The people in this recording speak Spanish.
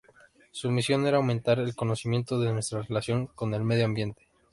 Su misión era "aumentar el conocimiento de nuestra relación con el medio ambiente".